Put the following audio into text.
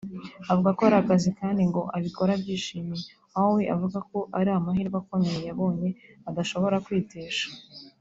Avuga ko ari akazi kandi ngo abikora abyishimiye aho we avuga ko ari amahirwe akomeye yabonye adashobora kwitesha